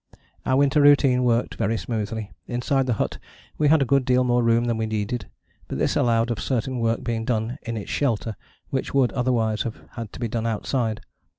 Our winter routine worked very smoothly. Inside the hut we had a good deal more room than we needed, but this allowed of certain work being done in its shelter which would otherwise have had to be done outside.